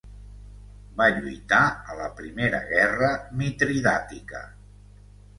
Va lluitar a la Primera Guerra Mitridàtica.